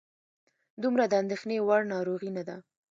دومره د اندېښنې وړ ناروغي نه ده.